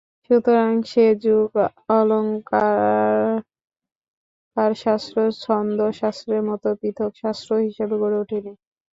সুতরাং সে যুগে অলঙ্কারশাস্ত্র ছন্দশাস্ত্রের মতো পৃথক শাস্ত্র হিসেবে গড়ে ওঠে নি।